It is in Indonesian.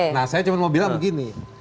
nah saya cuma mau bilang begini